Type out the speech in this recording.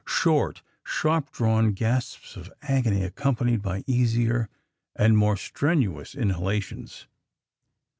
Short, sharp drawn gasps of agony accompanied by easier and more strenuous inhalations.